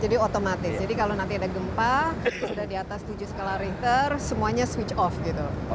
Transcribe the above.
jadi otomatis jadi kalau nanti ada gempa sudah di atas tujuh skala richter semuanya switch off gitu